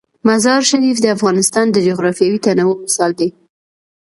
مزارشریف د افغانستان د جغرافیوي تنوع مثال دی.